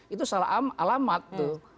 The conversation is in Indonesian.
itu salah alamat tuh